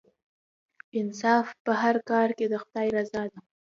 انصاف په هر کار کې د خدای رضا ده.